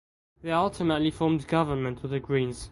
They ultimately formed government with the Greens.